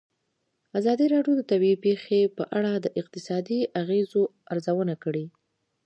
ازادي راډیو د طبیعي پېښې په اړه د اقتصادي اغېزو ارزونه کړې.